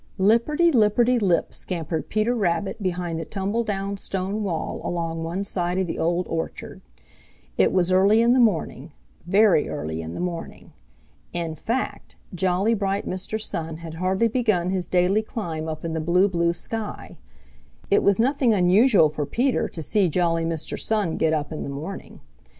Lipperty lipperty lip scampered Peter Rabbit behind the tumble down stone wall along one side of the Old Orchard. It was early in the morning, very early in the morning. In fact, jolly, bright Mr. Sun had hardly begun his daily climb up in the blue, blue sky. It was nothing unusual for Peter to see jolly Mr. Sun get up in the morning.